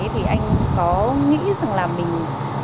thì anh có nghĩ rằng là mình